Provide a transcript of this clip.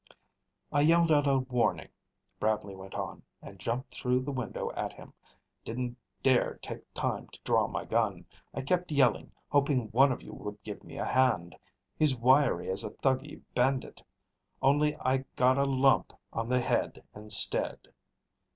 "I yelled out a warning," Bradley went on, "and jumped through the window at him. Didn't dare take time to draw my gun. I kept yelling, hoping one of you would give me a hand. He's wiry as a thuggee bandit. Only I got a lump on the head instead."